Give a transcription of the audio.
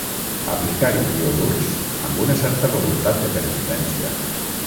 Aplicar-hi iodurs amb una certa voluntat de pervivència.